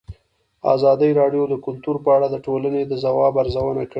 ازادي راډیو د کلتور په اړه د ټولنې د ځواب ارزونه کړې.